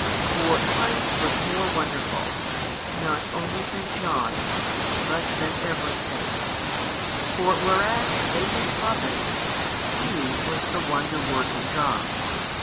For Christ was more wonderful, not only than John, but than every saint; for whereas they were Prophets, He was the wonder working God.